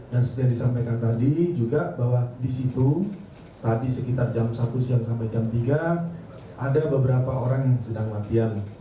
dan seperti yang disampaikan tadi juga bahwa disitu tadi sekitar jam satu sampai jam tiga ada beberapa orang yang sedang mati